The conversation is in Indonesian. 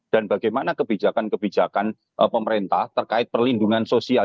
dan bagaimana kebijakan kebijakan pemerintah terkait perlindungan sosial